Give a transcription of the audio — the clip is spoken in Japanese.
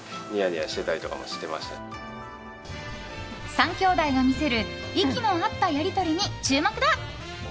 ３兄弟が見せる息の合ったやり取りに注目だ。